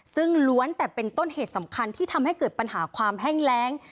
ซึ่งล้วนแต่เป็นต้นเหตุสำคัญที่ทำให้เกิดปัญหาความแห้งแรง